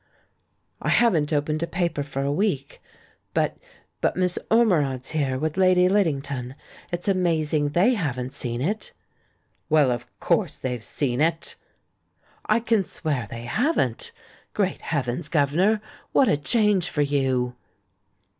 "I haven't opened a paper for a week. But — but Miss Ormerod's here, with Lady Liddington. It's amazing they haven't seen it." "Well, of course they've seen it!" "I can swear they haven't. Great heavens, Governor, what a change for you!"